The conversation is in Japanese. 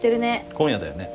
今夜だよね。